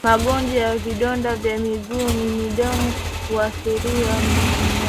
Magonjwa ya vidonda vya miguu na midomo huwaathiri ngombe